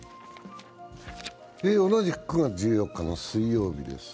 同じく９月１４日の水曜日です。